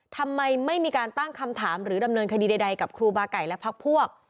ทำไมไม่มีการตั้งคำถามหรือดำเนินคดีใดกับครูบาไก่และพักพวก